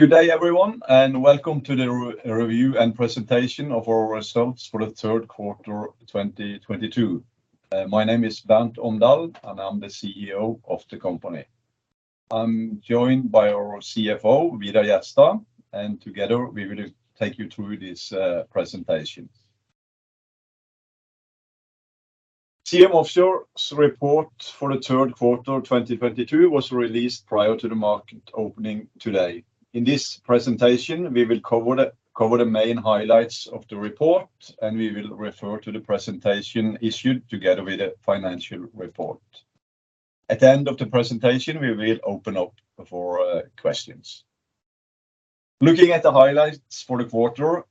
Good day everyone, and welcome to the review and presentation of our results for the third quarter 2022. My name is Bernt Omdal, and I'm the Chief Executive Officer of the company. I'm joined by our Chief Financial Officer, Vidar Jerstad, and together we will take you through this presentation. Siem Offshore's report for the third quarter 2022 was released prior to the market opening today. In this presentation, we will cover the main highlights of the report, and we will refer to the presentation issued together with the financial report. At the end of the presentation, we will open up for questions. Looking at the highlights for the quarter,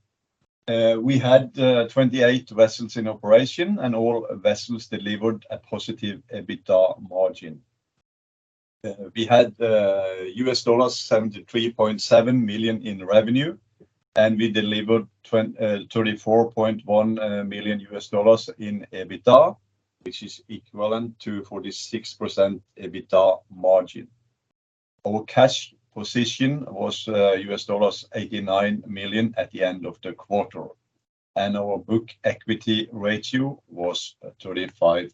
we had 28 vessels in operation, and all vessels delivered a positive EBITDA margin. We had $73.7 million in revenue, and we delivered $34.1 million in EBITDA, which is equivalent to 46% EBITDA margin. Our cash position was $89 million at the end of the quarter, and our book equity ratio was 35%.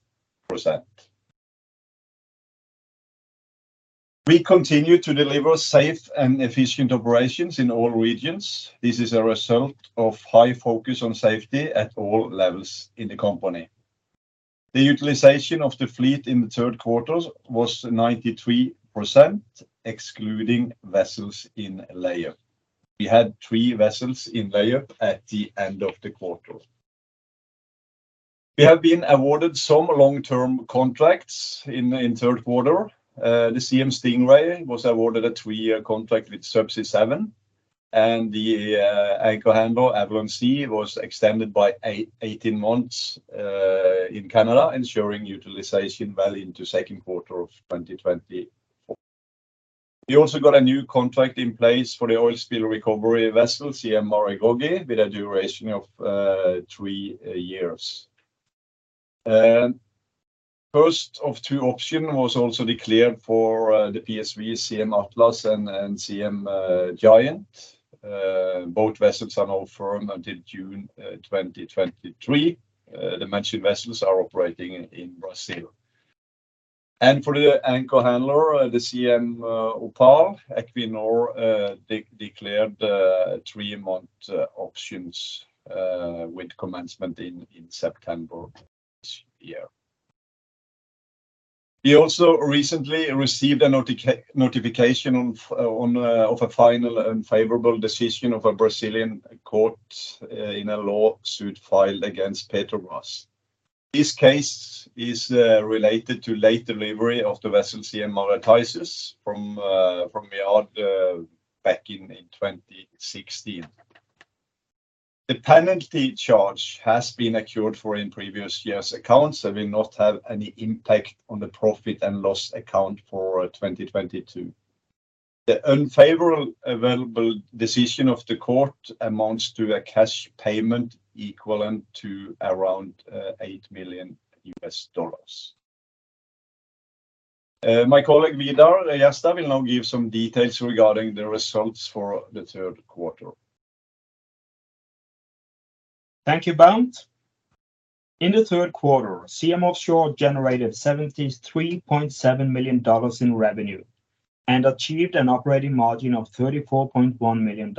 We continue to deliver safe and efficient operations in all regions. This is a result of high focus on safety at all levels in the company. The utilization of the fleet in the third quarter was 93%, excluding vessels in layup. We had three vessels in layup at the end of the quarter. We have been awarded some long-term contracts in third quarter. The Siem Stingray was awarded a three-year contract with Subsea 7, and the anchor handler Avalon Sea was extended by 18 months in Canada, ensuring utilization well into second quarter of 2024. We also got a new contract in place for the oil spill recovery vessel, Siem Maragogi, with a duration of three years. First of two option was also declared for the PSV Siem Atlas and Siem Giant. Both vessels are now firm until June 2023. The mentioned vessels are operating in Brazil. For the anchor handler, the Siem Opal, Equinor declared three-month options with commencement in September this year. We also recently received a notification of a final and favorable decision of a Brazilian court in a lawsuit filed against Petrobras. This case is related to late delivery of the vessel Siem Marataizes from the yard back in 2016. The penalty charge has been accrued for in previous years' accounts and will not have any impact on the profit and loss account for 2022. The favorable award decision of the court amounts to a cash payment equivalent to around $8 million. My colleague Vidar Jerstad will now give some details regarding the results for the third quarter. Thank you, Bernt. In the third quarter, Siem Offshore generated $73.7 million in revenue and achieved an operating margin of $34.1 million.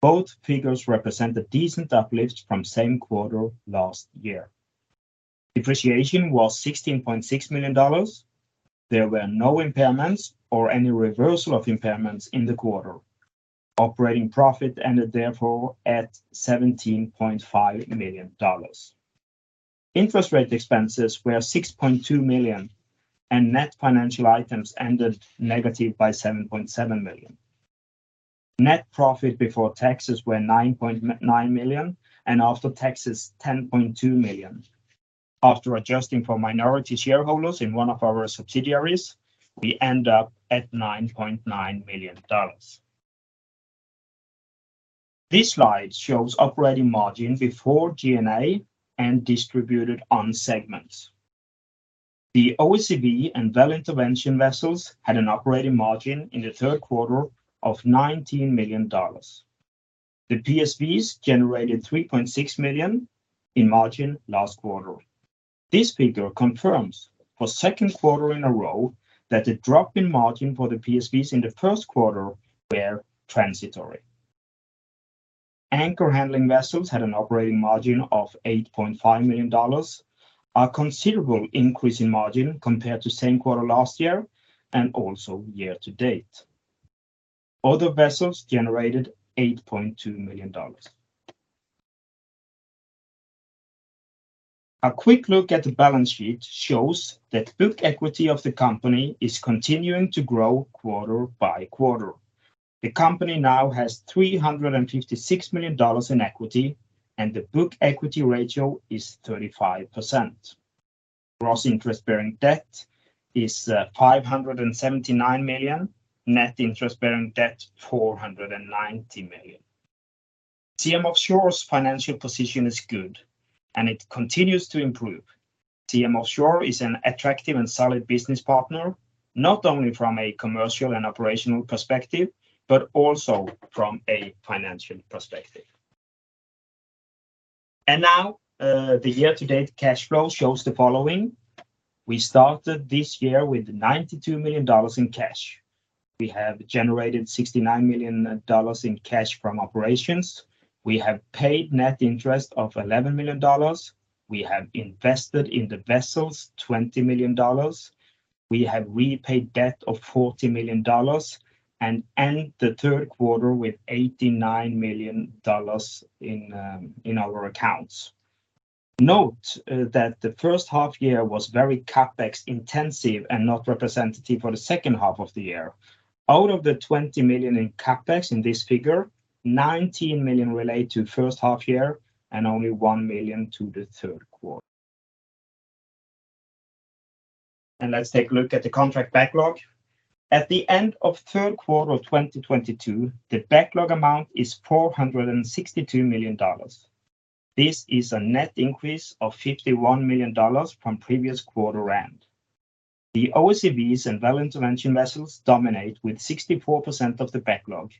Both figures represent a decent uplift from same quarter last year. Depreciation was $16.6 million. There were no impairments or any reversal of impairments in the quarter. Operating profit ended therefore at $17.5 million. Interest rate expenses were $6.2 million, and net financial items ended negative by $7.7 million. Net profit before taxes were $9.9 million, and after taxes, $10.2 million. After adjusting for minority shareholders in one of our subsidiaries, we end up at $9.9 million. This slide shows operating margin before G&A and distributed on segments. The OCV and well intervention vessels had an operating margin in the third quarter of $19 million. The PSVs generated $3.6 million in margin last quarter. This figure confirms a second quarter in a row that the drop in margin for the PSVs in the first quarter were transitory. Anchor handling vessels had an operating margin of $8.5 million, a considerable increase in margin compared to same quarter last year and also year to date. Other vessels generated $8.2 million. A quick look at the balance sheet shows that book equity of the company is continuing to grow quarter by quarter. The company now has $356 million in equity, and the book equity ratio is 35%. Gross interest-bearing debt is $579 million. Net interest-bearing debt, $490 million. Siem Offshore's financial position is good, and it continues to improve. Siem Offshore is an attractive and solid business partner, not only from a commercial and operational perspective, but also from a financial perspective. Now, the year-to-date cash flow shows the following. We started this year with $92 million in cash. We have generated $69 million in cash from operations. We have paid net interest of $11 million. We have invested in the vessels $20 million. We have repaid debt of $40 million and end the third quarter with $89 million in our accounts. Note that the first half year was very CapEx intensive and not representative for the second half of the year. Out of the $20 million in CapEx in this figure, $19 million relate to first half year and only $1 million to the third quarter. Let's take a look at the contract backlog. At the end of third quarter of 2022, the backlog amount is $462 million. This is a net increase of $51 million from previous quarter end. The OSVs and well intervention vessels dominate with 64% of the backlog.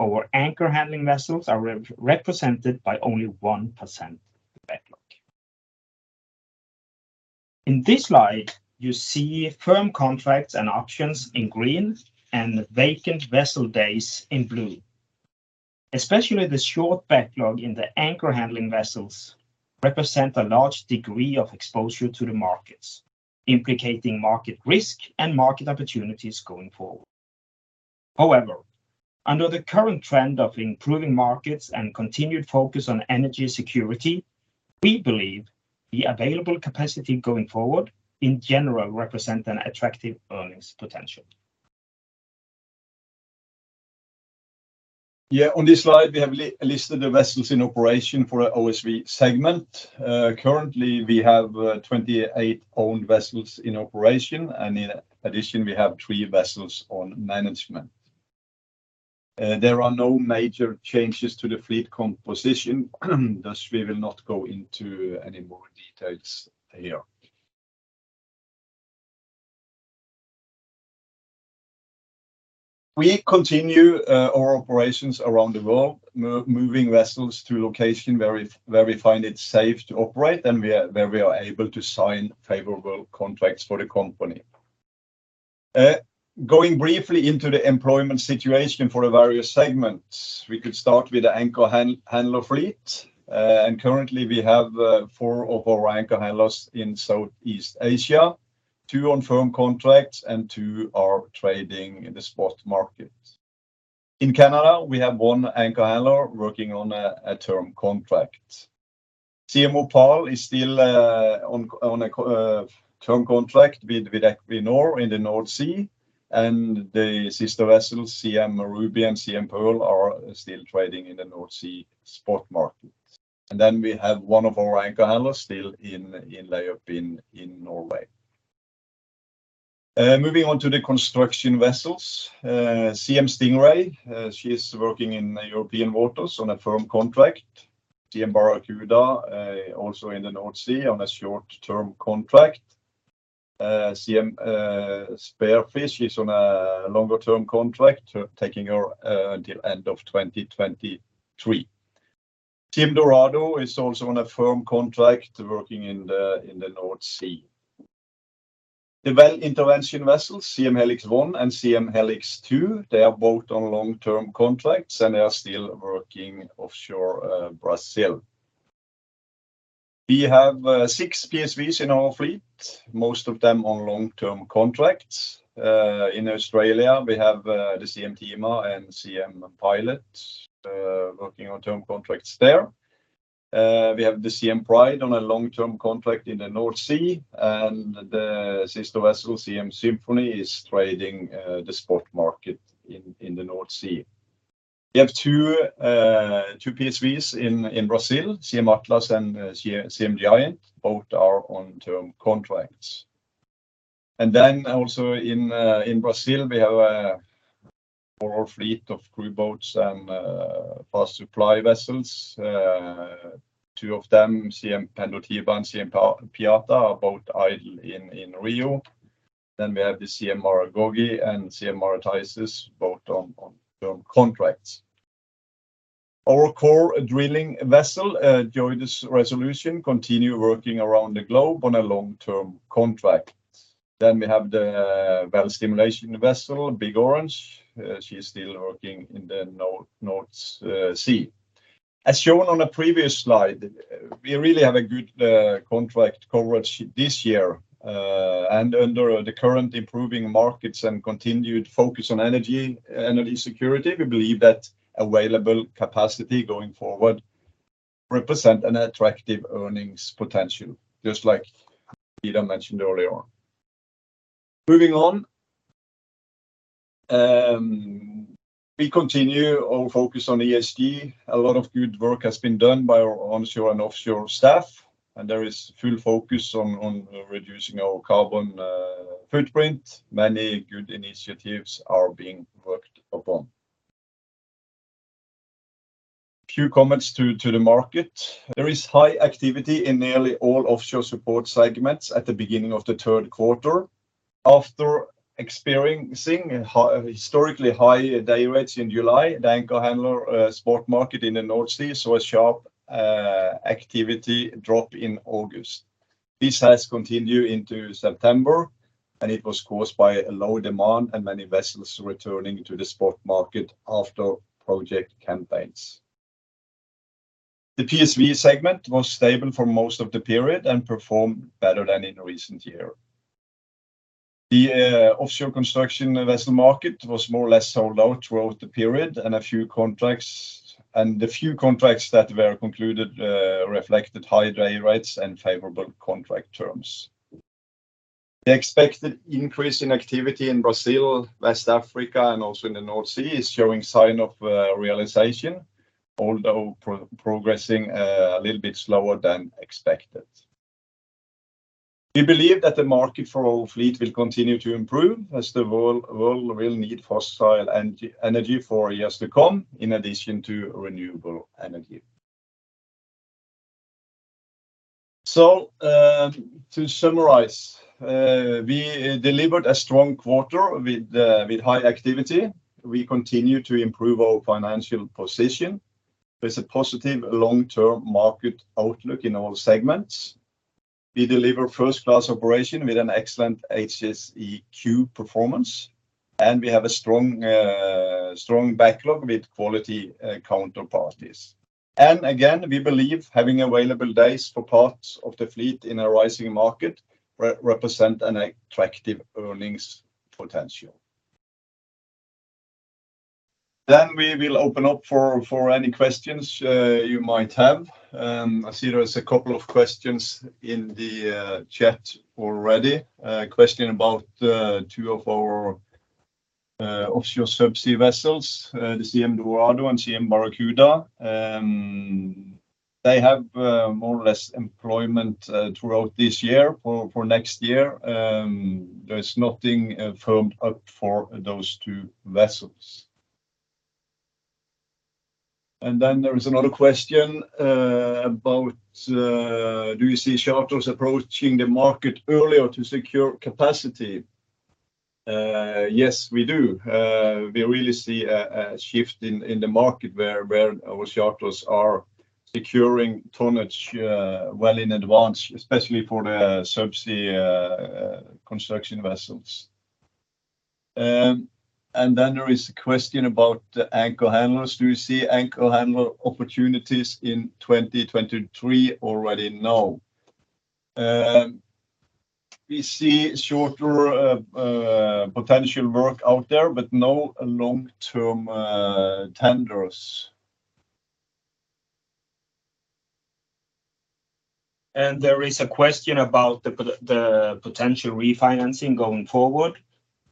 Our anchor handling vessels are represented by only 1% of the backlog. In this slide, you see firm contracts and options in green and vacant vessel days in blue. Especially the short backlog in the anchor handling vessels represent a large degree of exposure to the markets, implicating market risk and market opportunities going forward. However, under the current trend of improving markets and continued focus on energy security, we believe the available capacity going forward in general represent an attractive earnings potential. Yeah, on this slide we have listed the vessels in operation for our OSV segment. Currently we have 28 owned vessels in operation, and in addition, we have three vessels on management. There are no major changes to the fleet composition, thus we will not go into any more details here. We continue our operations around the world, moving vessels to locations where we find it safe to operate and where we are able to sign favorable contracts for the company. Going briefly into the employment situation for the various segments. We could start with the anchor handler fleet. Currently we have four of our anchor handlers in Southeast Asia, two on firm contracts and two are trading in the spot market. In Canada, we have one anchor handler working on a term contract. Siem Opal is still on a term contract with Equinor in the North Sea and the sister vessel Siem Ruby and Siem Pearl are still trading in the North Sea spot market. We have one of our anchor handlers still in lay up in Norway. Moving on to the construction vessels. Siem Stingray she is working in the European waters on a firm contract. Siem Barracuda also in the North Sea on a short-term contract. Siem Spearfish is on a longer term contract taking her until end of 2023. Siem Dorado is also on a firm contract working in the North Sea. The well intervention vessels, Siem Helix One and Siem Helix Two, they are both on long-term contracts, and they are still working offshore Brazil. We have 6 PSVs in our fleet, most of them on long-term contracts. In Australia, we have the Siem Tema and Siem Pilot working on term contracts there. We have the Siem Pride on a long-term contract in the North Sea, and the sister vessel, Siem Symphony, is trading the spot market in the North Sea. We have two PSVs in Brazil, Siem Atlas and Siem Giant. Both are on term contracts. Also in Brazil, we have our fleet of four crew boats and fast supply vessels. Two of them, Siem Pendotiba and Siem Piata, are both idle in Rio. We have the Siem Maragogi and Siem Marataizes, both on firm contracts. Our core drilling vessel, JOIDES Resolution, continue working around the globe on a long-term contract. We have the well stimulation vessel, Big Orange. She is still working in the North Sea. As shown on a previous slide, we really have a good contract coverage this year. Under the current improving markets and continued focus on energy security, we believe that available capacity going forward represent an attractive earnings potential, just like Vidar mentioned earlier on. Moving on, we continue our focus on ESG. A lot of good work has been done by our onshore and offshore staff, and there is full focus on reducing our carbon footprint. Many good initiatives are being worked upon. Few comments to the market. There is high activity in nearly all offshore support segments at the beginning of the third quarter. After experiencing historically high day rates in July, the anchor handler spot market in the North Sea saw a sharp activity drop in August. This has continued into September, and it was caused by a low demand and many vessels returning to the spot market after project campaigns. The PSV segment was stable for most of the period, and performed better than in recent year. The offshore construction vessel market was more or less sold out throughout the period, and a few contracts that were concluded reflected high day rates and favorable contract terms. The expected increase in activity in Brazil, West Africa, and also in the North Sea is showing sign of realization, although progressing a little bit slower than expected. We believe that the market for our fleet will continue to improve as the world will need fossil energy for years to come, in addition to renewable energy. To summarize, we delivered a strong quarter with high activity. We continue to improve our financial position. There's a positive long-term market outlook in all segments. We deliver first-class operation with an excellent HSEQ performance, and we have a strong backlog with quality counterparties. Again, we believe having available days for parts of the fleet in a rising market represent an attractive earnings potential. We will open up for any questions you might have. I see there is a couple of questions in the chat already. A question about two of our offshore subsea vessels, the Siem Dorado and Siem Barracuda. They have more or less employment throughout this year. For next year, there's nothing firmed up for those two vessels. Then there is another question about do you see charters approaching the market earlier to secure capacity? Yes we do. We really see a shift in the market where our charters are securing tonnage well in advance, especially for the subsea construction vessels. Then there is a question about the anchor handlers. Do you see anchor handler opportunities in 2023 already now? We see shorter potential work out there, but no long-term tenders. There is a question about the potential refinancing going forward.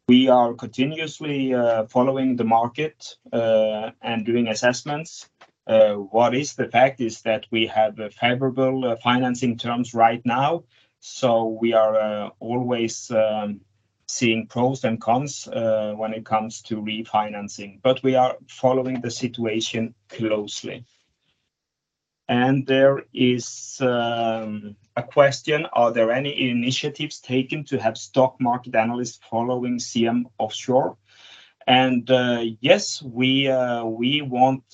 We are continuously following the market and doing assessments. What is the fact is that we have favorable financing terms right now, so we are always seeing pros and cons when it comes to refinancing. We are following the situation closely. There is a question: Are there any initiatives taken to have stock market analysts following Siem Offshore? Yes, we want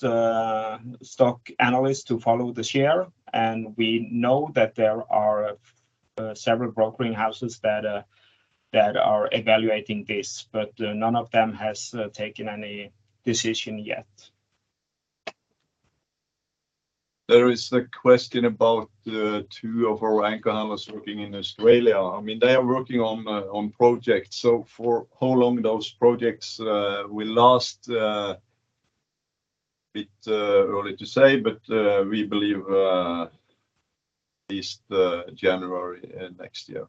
stock analysts to follow the share, and we know that there are several brokering houses that are evaluating this. None of them has taken any decision yet. There is a question about two of our anchor handlers working in Australia. I mean, they are working on projects. For how long those projects will last, bit early to say. We believe at least January next year.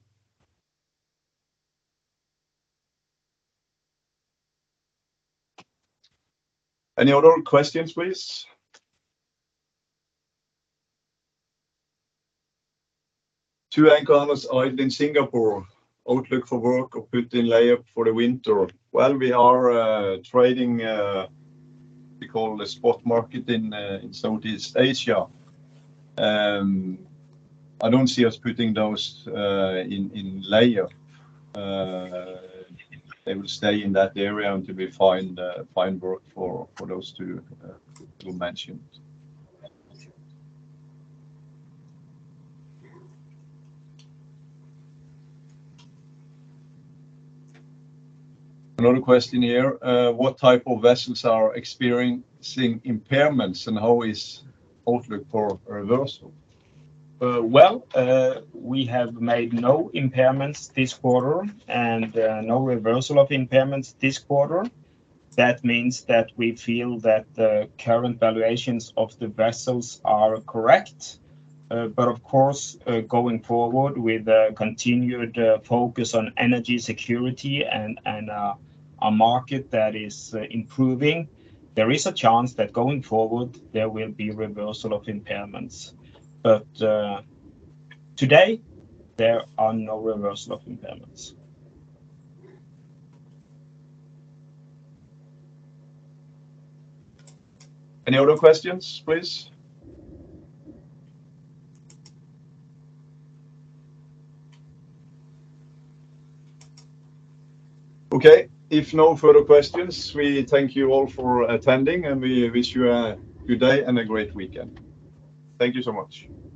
Any other questions, please? Two anchor handlers idle in Singapore. Outlook for work or put in layup for the winter? Well, we are trading, we call the spot market in Southeast Asia. I don't see us putting those in layup. They will stay in that area until we find work for those two you mentioned. Another question here. What type of vessels are experiencing impairments, and how is outlook for reversal? We have made no impairments this quarter, and no reversal of impairments this quarter. That means that we feel that the current valuations of the vessels are correct. But of course, going forward with a continued focus on energy security and a market that is improving, there is a chance that going forward there will be reversal of impairments. Today there are no reversal of impairments. Any other questions, please? Okay. If no further questions, we thank you all for attending, and we wish you a good day and a great weekend. Thank you so much.